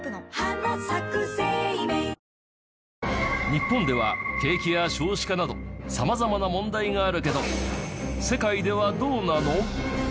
日本では景気や少子化など様々な問題があるけど世界ではどうなの？